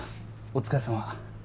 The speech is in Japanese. お疲れさま。